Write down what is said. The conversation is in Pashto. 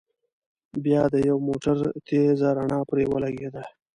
بيا د يوه موټر تېزه رڼا پرې ولګېده.